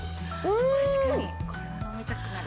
確かにこれは飲みたくなる。